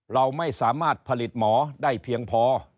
เราไม่สามารถผลิตหมอได้เพียงพอ